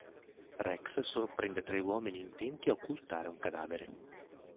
Rex sorprende tre uomini intenti a occultare un cadavere.